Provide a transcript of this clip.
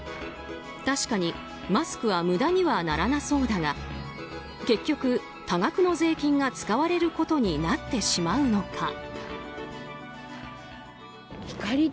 確かにマスクは無駄にはならなそうだが結局、多額の税金が使われることになってしまうのか。